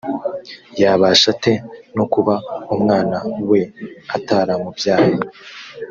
yabasha ate no kuba umwana we ataramubyaye